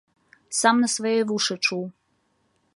Сам на свае вушы чуў!